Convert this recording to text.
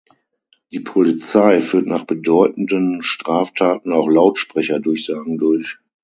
Die Polizei führt nach bedeutenden Straftaten auch Lautsprecherdurchsagen durch.